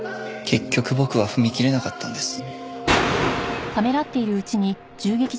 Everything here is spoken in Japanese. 結局僕は踏み切れなかったんです。